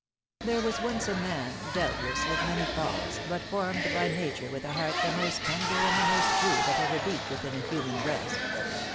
" There was once a man, doubtless with many faults, but formed by nature with a heart the most tender and the most true that ever beat within a human breast.